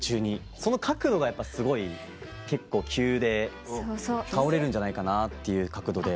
その角度がやっぱすごい結構急で倒れるんじゃないかなっていう角度で。